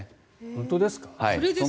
本当ですか？